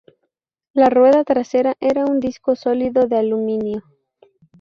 La rueda trasera era un disco sólido de aluminio.